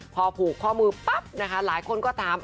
พอผูกข้อมือปั๊บนะคะหลายคนก็ถาม